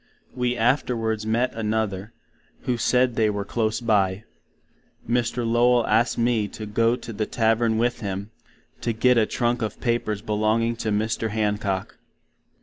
We afterwards met another, who said they were close by. Mr. Lowell asked me to go to the Tavern with him, to git a Trunk of papers belonging to Mr. Hancock.